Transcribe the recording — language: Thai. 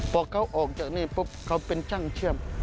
พอเขาออกจากนี่ปุ๊บเขาเป็นช่างเชื่อม